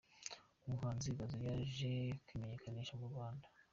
Umuhanzi gaju yaje kwimenyekanisha mu Rwanda